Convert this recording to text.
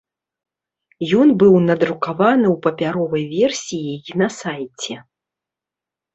Ён быў надрукаваны ў папяровай версіі і на сайце.